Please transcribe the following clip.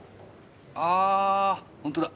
あーホントだ。